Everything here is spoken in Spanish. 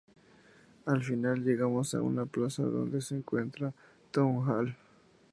Al final llegamos a una plaza donde se encuentra el Town Hall.